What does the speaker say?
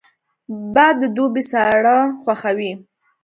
باد د دوبي ساړه خوښوي